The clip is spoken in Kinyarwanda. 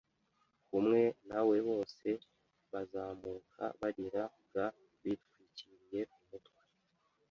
kumwe na we bose bazamuka barira g bitwikiriye umutwe